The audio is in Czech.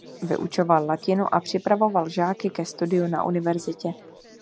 Vyučoval latinu a připravoval žáky ke studiu na univerzitě.